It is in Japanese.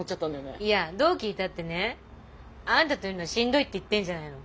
いやどう聞いたってねあんたといるのはしんどいって言ってんじゃないの。